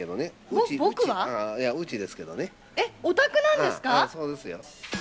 えっ、そうですよ。